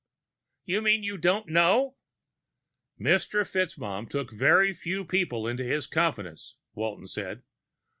"You mean you don't know?" "Mr. FitzMaugham took very few people into his confidence," Walton said.